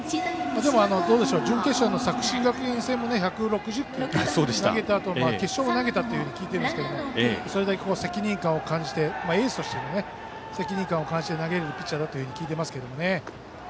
準決勝の作新学院戦も１６０球投げたあとも決勝も投げたと聞いていますがそれだけ責任感を感じてエースとしての責任感を感じて投げているピッチャーだと聞いています。